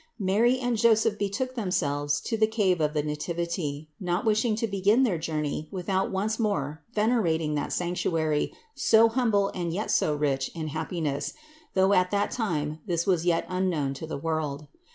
Mary and Joseph betook themselves to the cave of the Nativity, not wishing to begin their journey without once more ven erating that sanctuary so humble and yet so rich in hap piness, though at that time this was yet unknown to the world.